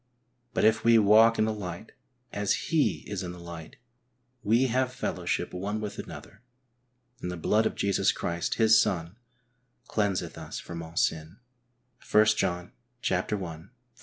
But if we walk in the light, as He is in the light, we have fellowship one with another, and the blood of Jesus Christ, His Son, cleanseth us from all sin " (l John i.